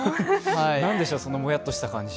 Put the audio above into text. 何でしょう、そのもやっとした感じ。